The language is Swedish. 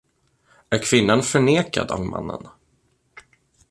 Är kvinnan förnekad av mannen?